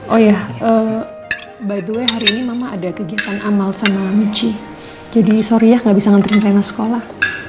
oh ya by the way hari ini mama ada kegiatan amal sama meci jadi sorry ya gak bisa nganterin rena sekolah